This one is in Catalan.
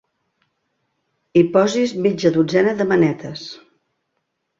Hi posis mitja dotzena de manetes.